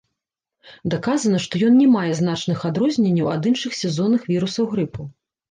Даказана, што ён не мае значных адрозненняў ад іншых сезонных вірусаў грыпу.